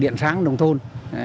điện sáng đồng thôn